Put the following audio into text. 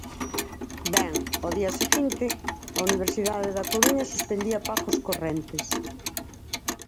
Ben, ao día seguinte a Universidade da Coruña suspendía pagos correntes.